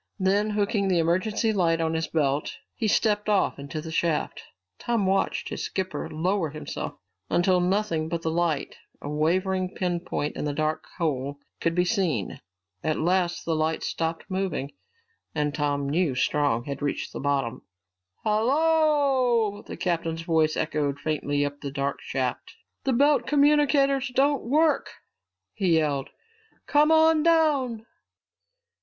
Then, hooking the emergency light on his belt, he stepped off into the shaft. Tom watched his skipper lower himself until nothing but the light, a wavering pin point in the dark hole, could be seen. At last the light stopped moving and Tom knew Strong had reached the bottom. "Hallooooooo!" The captain's voice echoed faintly up the dark shaft. "The belt communicators don't work!" he yelled. "Come on down!"